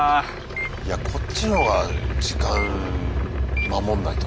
いやこっちのほうが時間守んないとね。